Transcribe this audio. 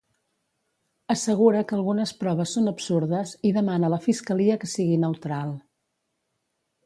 Assegura que algunes proves són absurdes, i demana a la Fiscalia que sigui neutral.